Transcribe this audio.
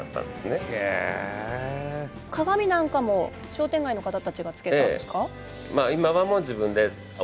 鏡なんかも商店街の方たちが付けたんですか？